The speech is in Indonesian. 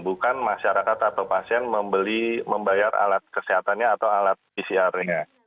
bukan masyarakat atau pasien membayar alat kesehatannya atau alat pcr nya